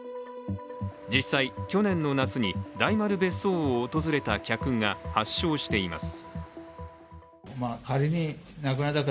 実際、去年の夏に大丸別荘を訪れた客が発症しています。